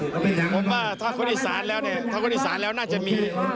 ผมว่าถ้าคนอีสานแล้วเนี่ยถ้าคนอีสานแล้วน่าจะมี